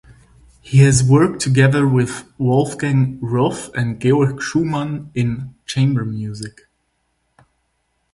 He has worked together with Wolfgang Ruoff and Georg Schumann in chamber music.